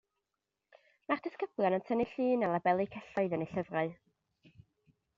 Mae'r disgyblion yn tynnu llun a labelu celloedd yn eu llyfrau